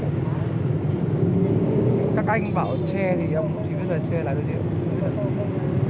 các anh bảo che thì ông chỉ biết là che là điều gì